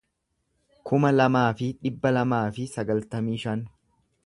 kuma lamaa fi dhibba lamaa fi sagaltamii shan